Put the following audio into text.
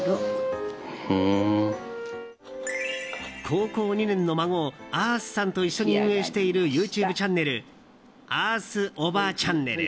高校２年の孫あーすさんと一緒に運営しているＹｏｕＴｕｂｅチャンネル「Ｅａｒｔｈおばあちゃんねる」。